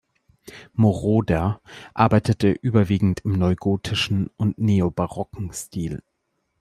Moroder arbeitete überwiegend im neugotischen und im neobarocken Stil.